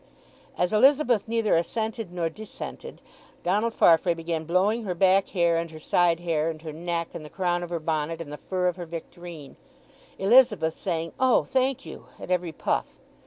As Elizabeth neither assented nor dissented Donald Farfrae began blowing her back hair, and her side hair, and her neck, and the crown of her bonnet, and the fur of her victorine, Elizabeth saying, "O, thank you," at every puff.